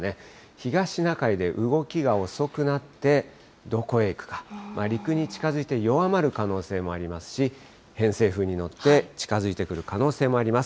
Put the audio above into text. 東シナ海で動きが遅くなって、どこへ行くか、陸に近づいて弱まる可能性もありますし、偏西風に乗って、近づいてくる可能性もあります。